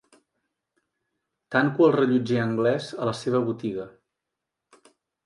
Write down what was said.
Tanco el rellotger anglès a la seva botiga.